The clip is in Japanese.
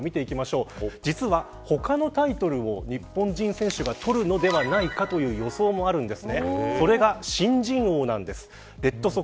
実は他のタイトルも日本人選手が取るのではないかという予想もあります。